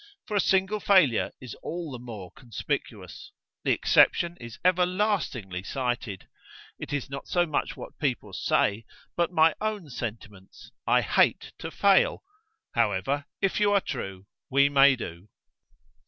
For a single failure is all the more conspicuous. The exception is everlastingly cited! It is not so much what people say, but my own sentiments. I hate to fail. However, if you are true, we may do."